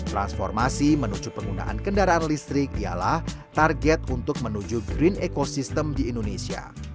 transformasi menuju penggunaan kendaraan listrik ialah target untuk menuju green ecosystem di indonesia